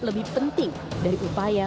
lebih penting dari upaya